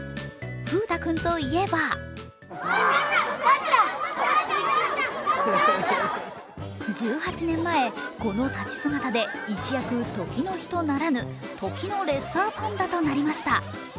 風太くんといえば１８年前、この立ち姿で一躍時の人ならぬ時のレッサーパンダとなりました。